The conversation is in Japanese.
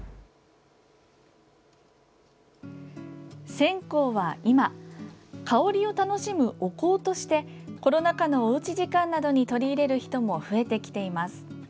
線香は今香りを楽しむお香としてコロナ禍のおうち時間などに取り入れる人も増えてきています。